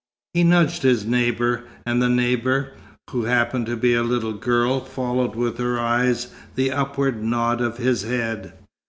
He nudged his neighbour, and the neighbour, who happened to be a little girl, followed with her eyes the upward nod of his head.